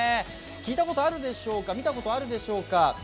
聞いたことあるでしょうか、見たことあるでしょうか？